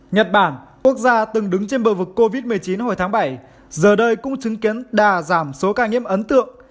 nhật bản quốc gia từng đứng trên bờ vực covid một mươi chín hồi tháng bảy giờ đây cũng chứng kiến đà giảm số ca nhiễm ấn tượng